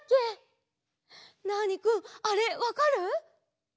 ナーニくんあれわかる？